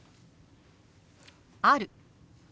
「ある」。